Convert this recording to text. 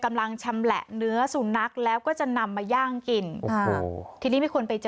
กำลังชำแหละเนื้อสุนัขแล้วก็จะนำมาย่างกินอ่าทีนี้มีคนไปเจอ